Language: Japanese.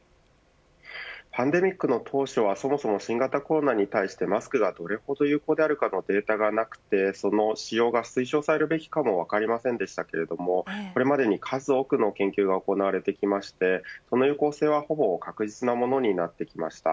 パンデミックの当初はそもそも新型コロナに対してマスクがどれほど有効であるかのデータがなくてその使用が推奨されるかも分かりませんでしたがこれまでに数多くの研究が行われて有効性は確実なものになってきました。